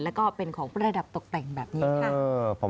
แล้วก็เป็นของประดับตกแต่งแบบนี้ค่ะ